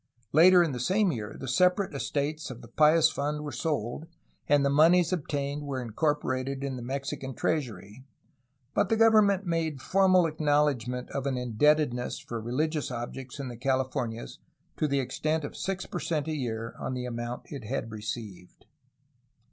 Later in the same year the separate estates of the Pious Fund were sold, and the moneys obtained were incorporated in the Mexican treasury, but the government made formal acknowledgment of an indebtedness for religious objects in the Californias to the extent of 6 per cent a year on the amount it had re ceived.